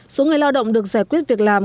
số người lao động được giải quyết việc làm